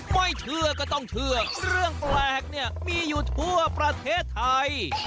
ไม่เชื่อก็ต้องเชื่อเรื่องแปลกเนี่ยมีอยู่ทั่วประเทศไทย